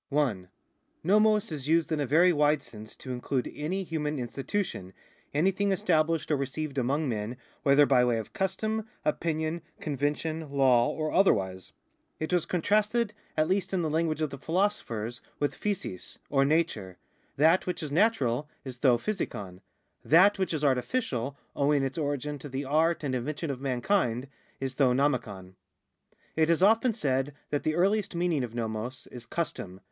1. No/ioc is used in a very wide sense to include any human institution, anything established or received among men, whether by way of custom, opinion, convention, law or otherwise. It was contrasted, at least in the language of the philosophers, with (jtvaic, or nature. That which is natural is to fvaiKor ; that which is ai'tificial, owing its origin to the art and invention of mankind, is to j'o/itvoj'. It is often said that the earliest meaning of vouoq is custom.